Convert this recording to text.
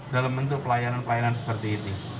dalam bentuk pelayanan pelayanan seperti ini